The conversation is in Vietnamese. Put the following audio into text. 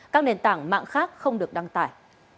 các nền tảng mạng khác không được đăng tải